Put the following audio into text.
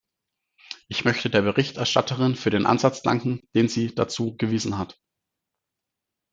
Ich möchte der Berichterstatterin für den Ansatz danken, den sie dazu gewiesen hat.